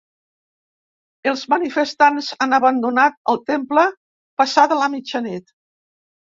Els manifestants han abandonat el temple passada la mitjanit.